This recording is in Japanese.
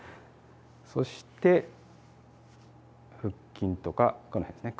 そして腹筋とかこの辺ですね